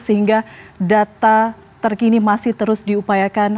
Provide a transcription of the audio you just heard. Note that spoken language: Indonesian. sehingga data terkini masih terus diupayakan